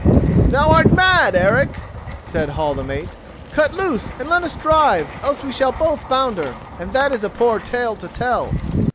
"Thou art mad, Eric," said Hall the mate; "cut loose and let us drive, else we shall both founder, and that is a poor tale to tell."